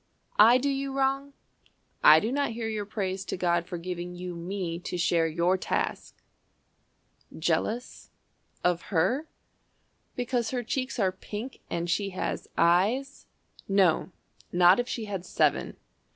I do you wrong? I do not hear your praise To God for giving you me to share your task? "Jealous of Her? Because her cheeks are pink, And she has eyes? No, not if she had seven.